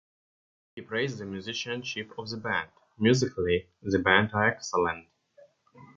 He praised the musicianship of the band; Musically, the band are excellent.